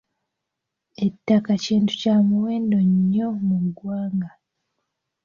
Ettaka kintu kya muwendo nnyo mu ggwanga.